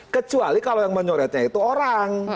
kecuali kalau yang menyorotnya itu orang